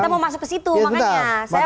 kita mau masuk ke situ makanya saya